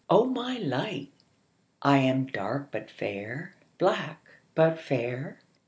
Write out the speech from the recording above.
O my light, I am dark but fair, Black but fair.